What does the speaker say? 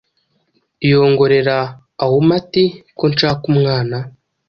yongorera, auma ati ko nshaka umwana